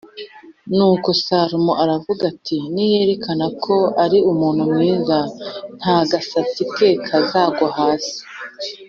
Nuko Salomo aravuga ati “Niyerekana ko ari umuntu mwiza nta gasatsi ke kazagwa hasi